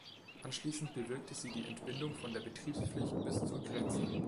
Anschließend bewirkte sie die Entbindung von der Betriebspflicht bis zur Grenze.